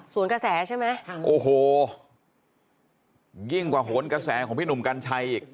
ส่วนกระแสใช่ไหมโอ้โหยิ่งกว่าโหนกระแสของพี่หนุ่มกัญชัยอีก